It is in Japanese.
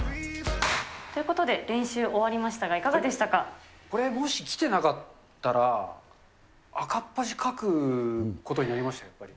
ということで、練習終わりまこれ、もし来てなかったら、赤っ恥かくことになりましたよ、やっぱり。